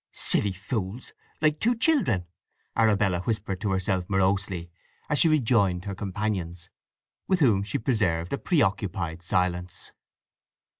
"Silly fools—like two children!" Arabella whispered to herself morosely, as she rejoined her companions, with whom she preserved a preoccupied silence.